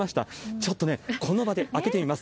ちょっとね、この場で開けてみます。